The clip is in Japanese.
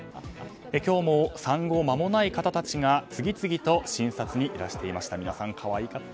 今日も産後間もない方たちが次々と診察にいらしていました。